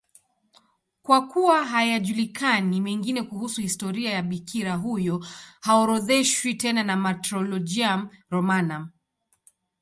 Kwa kuwa hayajulikani mengine kuhusu historia ya bikira huyo, haorodheshwi tena na Martyrologium Romanum.